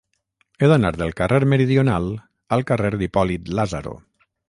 He d'anar del carrer Meridional al carrer d'Hipòlit Lázaro.